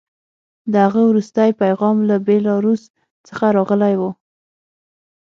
د هغه وروستی پیغام له بیلاروس څخه راغلی و